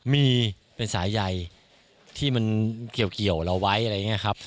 มีเป็นสายใยที่มันเกี่ยวเราไว้อะไรอย่างนี้ครับ